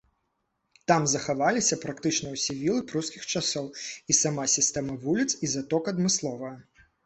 Там захаваліся практычна ўсе вілы прускіх часоў, і сама сістэма вуліц і заток адмысловая.